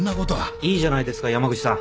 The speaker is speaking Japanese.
いいじゃないですか山口さん。